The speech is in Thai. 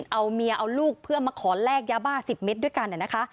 เอาเมียเอาลูกเพื่อมาขอแลกยาบ้า๑๐เมตรด้วยกันนะคะ